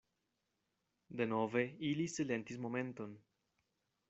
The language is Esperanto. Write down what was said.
Denove ili silentis momenton.